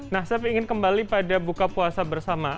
nah saya ingin kembali pada buka puasa bersama